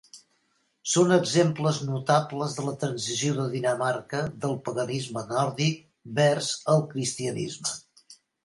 Són exemples notables de la transició de Dinamarca del paganisme nòrdic vers el cristianisme.